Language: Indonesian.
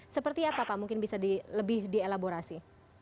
seperti apa pak mungkin bisa lebih dielaborasi